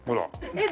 えっ？